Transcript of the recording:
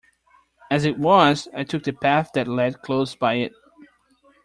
As it was, I took the path that led close by it.